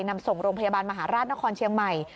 นำส่งโรงพยาบาลมหาราชนครเชียงใหม่